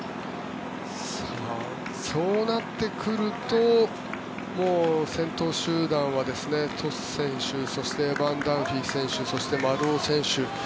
そうなってくると先頭集団はトス選手、そしてエバン・ダンフィー選手そして丸尾選手